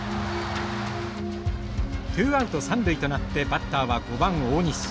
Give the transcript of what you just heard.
ツーアウト三塁となってバッターは５番大西。